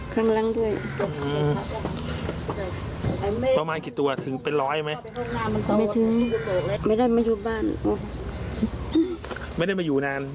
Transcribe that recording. ครั้งหลังด้วยประมาณกี่ตัวถึงเป็นร้อยไหมไม่ได้มาอยู่บ้านไม่ได้มาอยู่นาน